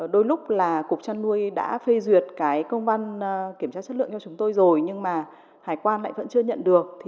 đôi lúc là cục chăn nuôi đã phê duyệt công văn kiểm tra chất lượng cho chúng tôi rồi nhưng mà hải quan lại vẫn chưa nhận được